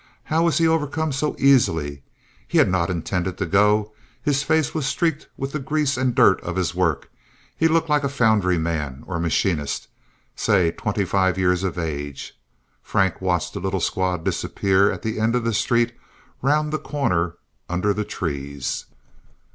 How was he overcome so easily? He had not intended to go. His face was streaked with the grease and dirt of his work—he looked like a foundry man or machinist, say twenty five years of age. Frank watched the little squad disappear at the end of the street round the corner under the trees.